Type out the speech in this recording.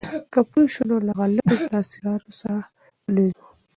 که پوه شو، نو له غلطو تاثیراتو سره نه ځو.